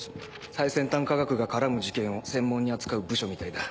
最先端科学が絡む事件を専門に扱う部署みたいだ。